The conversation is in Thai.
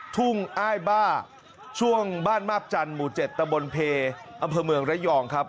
อ้ายบ้าช่วงบ้านมาบจันทร์หมู่๗ตะบนเพอำเภอเมืองระยองครับ